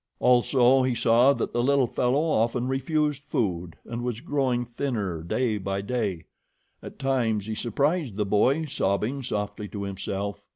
Also, he saw that the little fellow often refused food and was growing thinner day by day. At times he surprised the boy sobbing softly to himself.